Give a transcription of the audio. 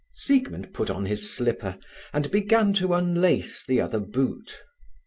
Siegmund put on his slipper, and began to unlace the other boot.